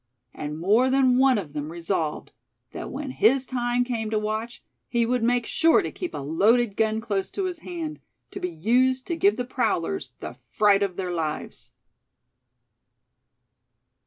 And more than one of them resolved that when his time came to watch, he would make sure to keep a loaded gun close to his hand, to be used to give the prowlers the fright of their lives.